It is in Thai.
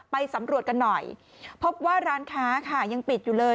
ไปสำรวจกันหน่อยพบว่าร้านค้าค่ะยังปิดอยู่เลย